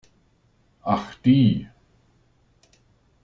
Ach die!